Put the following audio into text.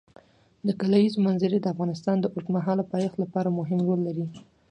د کلیزو منظره د افغانستان د اوږدمهاله پایښت لپاره مهم رول لري.